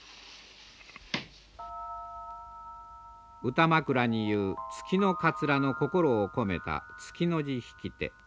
歌枕に言う「月の桂」の心を込めた月の字引手。